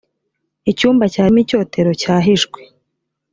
icyumba cyarimo icyotero cyahishwe